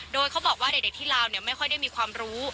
โดยเขาบอกว่าเด็กที่ลาวไม่ค่อยได้มีความรู้